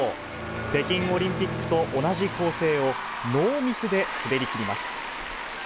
北京オリンピックと同じ構成を、ノーミスで滑りきります。